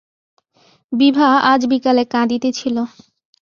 বিভা আজ বিকালে কাঁদিতেছিল?